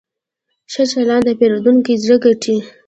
ښه چلند د پیرودونکي زړه ګټي.